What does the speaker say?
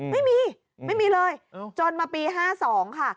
ไม่มีไม่มีเลยจนมาปี๕๒ค่ะ